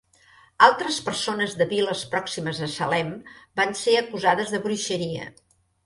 Altres persones de viles pròximes a Salem van ser acusades de bruixeria.